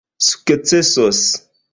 sukcesos